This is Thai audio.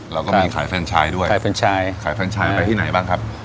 เราก็มีขายแฟนชายด้วยขายแฟนชายขายแฟนชายไปที่ไหนบ้างครับ